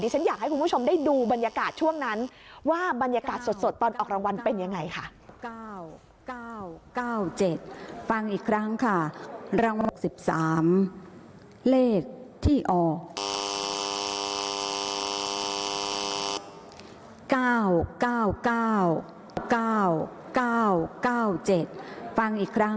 ฉันอยากให้คุณผู้ชมได้ดูบรรยากาศช่วงนั้นว่าบรรยากาศสดตอนออกรางวัลเป็นยังไงค่ะ